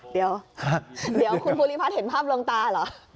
เดี๋ยวคุณภูริพัฒน์เห็นภาพลงตาเหรอ